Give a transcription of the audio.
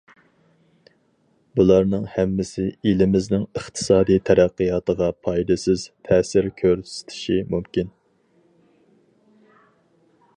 بۇلارنىڭ ھەممىسى ئېلىمىزنىڭ ئىقتىسادىي تەرەققىياتىغا پايدىسىز تەسىر كۆرسىتىشى مۇمكىن.